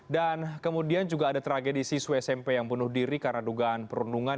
dan kemudian juga ada tragedisi suesempe yang bunuh diri karena dugaan perundungan